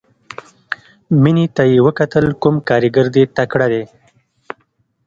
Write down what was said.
مينې ته يې وکتل کوم کارګر دې تکړه دى.